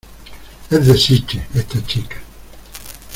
Es de Sitges, esta chica.